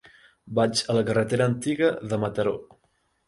Vaig a la carretera Antiga de Mataró.